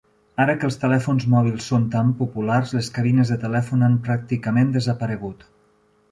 Ara que els telèfons mòbils són tan populars, les cabines de telèfon han pràcticament desaparegut.